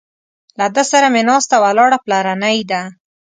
له ده سره مې ناسته ولاړه پلرنۍ ده.